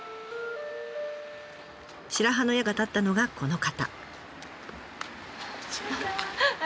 白羽の矢が立ったのがこの方。